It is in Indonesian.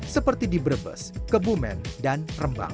seperti di brebes kebumen dan rembang